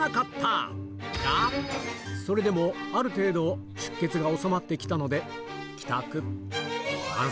それでもある程度出血がおさまって来たので帰宅